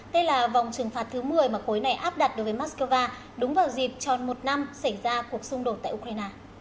đây là vòng trừng phạt thứ một mươi mà khối này áp đặt đối với moscow đúng vào dịp tròn một năm xảy ra cuộc xung đột tại ukraine